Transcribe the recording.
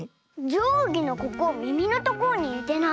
じょうぎのここみみのところににてない？